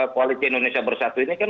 koalisi indonesia bersatu ini kan